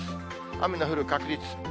雨の降る確率。